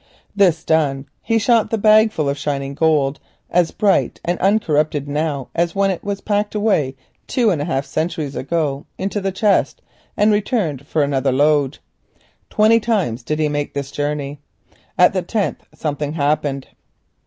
This done, he shot the bagful of shining gold, as bright and uncorrupted now as when it was packed away two and a half centuries ago, into the chest, and returned for another load. About twenty times did he make this journey. At the tenth something happened.